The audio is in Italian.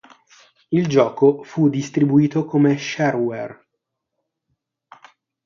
Il gioco fu distribuito come shareware.